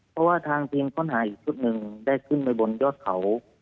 เพราะว่าทางทีมค้นหาอีกชุดหนึ่งได้ขึ้นไปบนยอดเขา